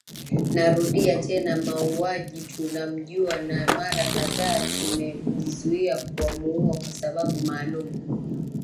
Narudia tena muuaji tunamjua na mara kaadhaa tumejizuia kumuua kwa sababu maalum